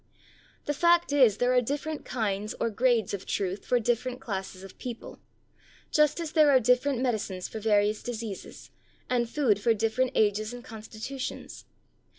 The fact is there are different kinds or grades of truth for different classes of people, just as there are different medicines for various diseases, and food for different ages and constitutions.